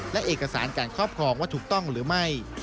และเอกสารการครอบครองว่าถูกต้องหรือไม่